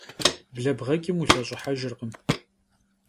Blebğeç'ım, vulheş'ıhejjırkhım.